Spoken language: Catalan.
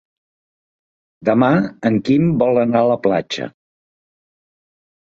Demà en Quim vol anar a la platja.